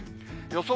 予想